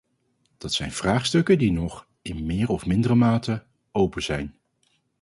Dat zijn de vraagstukken die nog, in meer of mindere mate, open zijn.